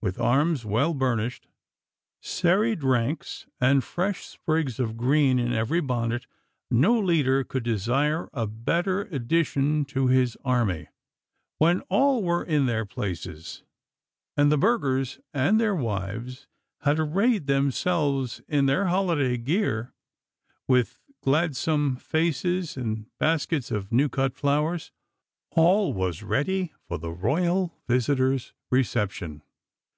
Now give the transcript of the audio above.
With arms well burnished, serried ranks, and fresh sprigs of green in every bonnet, no leader could desire a better addition to his army. When all were in their places, and the burghers and their wives had arrayed themselves in their holiday gear, with gladsome faces and baskets of new cut flowers, all was ready for the royal visitor's reception.